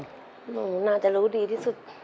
หนูน่าจะรู้ดีที่สุด